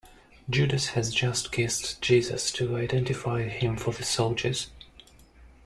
Judas has just kissed Jesus to identify him for the soldiers.